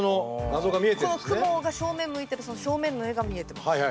このクモが正面向いてるその正面の絵が見えてます。